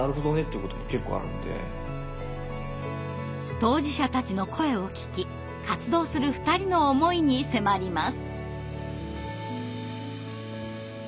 当事者たちの声を聞き活動する２人の思いに迫ります。